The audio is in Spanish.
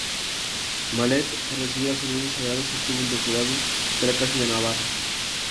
Mallet tras recibir las órdenes sagradas obtuvo un doctorado de la Casa de Navarra.